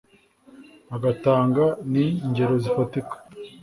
agatanga ni ngero zifatika.